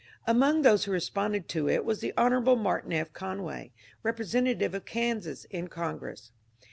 Among those who responded to it was the Hon. Martin F. Conway, representative of Kansas in Congpress.